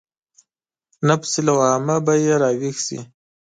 نفس لوامه به يې راويښ شي.